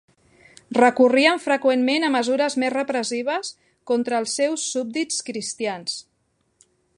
Recorrien freqüentment a mesures més repressives contra els seus súbdits cristians.